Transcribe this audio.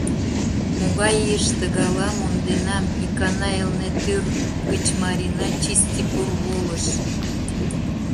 Могай ийыште гала, монденам, икана Элнеттӱр гыч Марина чисти порволыш!